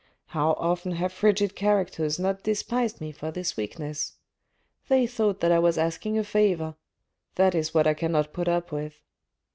How often have frigid characters not despised me for this weakness. They thought that I was asking a favour: that is what I can not put up with.